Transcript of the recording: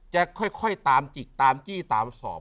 ค่อยตามจิกตามจี้ตามสอบ